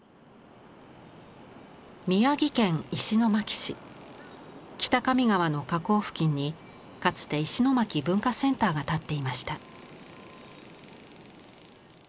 宮城県石巻市北上川の河口付近にかつて石巻文化センターが建っていました。